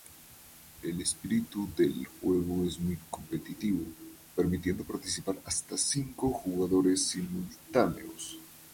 El espíritu del juego es muy competitivo, permitiendo participar hasta cinco jugadores simultáneos.